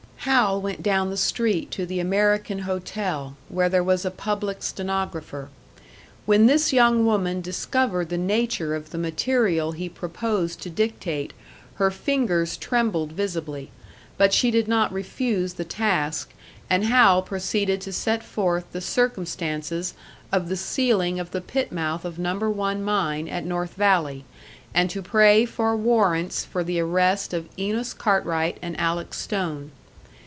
Hal went down the street to the American Hotel, where there was a public stenographer. When this young woman discovered the nature of the material he proposed to dictate, her fingers trembled visibly; but she did not refuse the task, and Hal proceeded to set forth the circumstances of the sealing of the pit mouth of Number One Mine at North Valley, and to pray for warrants for the arrest of Enos Cartwright and Alec Stone.